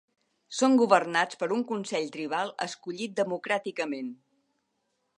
Són governats per un consell tribal escollit democràticament.